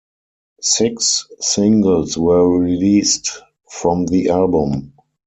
Six singles were released from the album.